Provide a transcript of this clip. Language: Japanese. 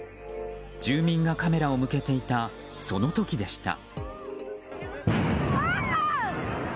住民がカメラを向けていたその時でした。